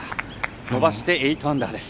伸ばして８アンダーです。